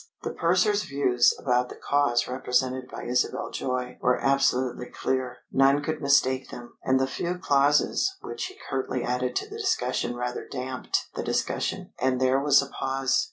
The purser's views about the cause represented by Isabel Joy were absolutely clear. None could mistake them, and the few clauses which he curtly added to the discussion rather damped the discussion, and there was a pause.